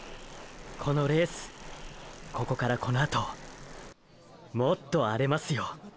このレースここからこのあともっと荒れますよ？